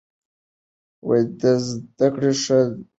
زده کړه ښځه د مالي پریکړو مسؤلیت لري.